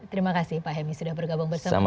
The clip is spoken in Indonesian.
terima kasih pak hemi sudah bergabung bersama kami